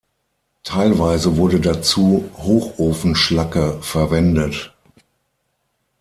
Teilweise wurde dazu Hochofenschlacke verwendet.